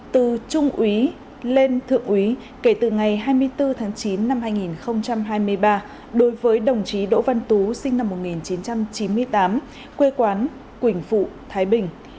từ trung úy lên thượng úy kể từ ngày hai mươi bốn tháng chín năm hai nghìn hai mươi ba đối với đồng chí đỗ văn tú sinh năm một nghìn chín trăm chín mươi tám quê quán quỳnh phụ thái bình